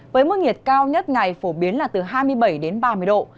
với mức nhiệt cao nhất ngày phổ biến là từ hai mươi bảy đến ba mươi độ